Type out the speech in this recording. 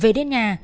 về đến nhà